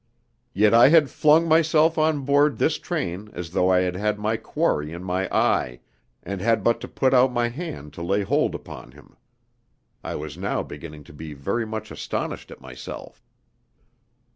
Yet I had flung myself on board this train as though I had had my quarry in my eye, and had but to put out my hand to lay hold upon him. I was now beginning to be very much astonished at myself.